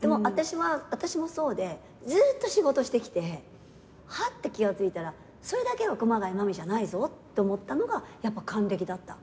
私もそうでずっと仕事してきてはって気が付いたらそれだけの熊谷真実じゃないぞって思ったのがやっぱ還暦だった。